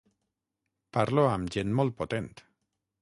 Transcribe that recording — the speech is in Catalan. Parlo amb gent molt potent.